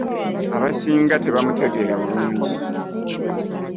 Abasinga tebamutegera bulungi.